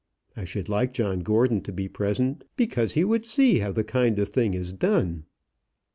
I should like John Gordon to be present, because he would see how the kind of thing is done."